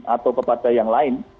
atau kepada yang lain